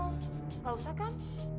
kalau usah kan